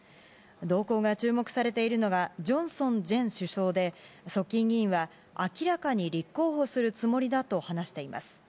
動向が注目されているのが、ジョンソン前首相で、側近議員は、明らかに立候補するつもりだと話しています。